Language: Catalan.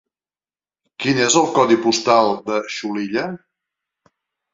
Quin és el codi postal de Xulilla?